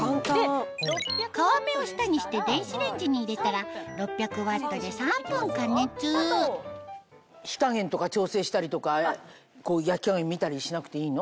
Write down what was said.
皮目を下にして電子レンジに入れたら６００Ｗで３分加熱火加減とか調整したりとか焼き加減見たりしなくていいの？